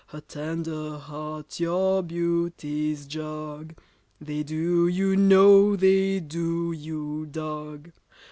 Her tender heart your beauties jog— They do, you know they do, you dog.